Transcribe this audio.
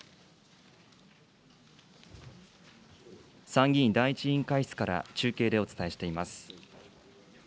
参議院第１委員会室から中継でお伝えしています。